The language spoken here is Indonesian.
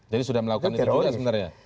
jadi sudah melakukan itu juga sebenarnya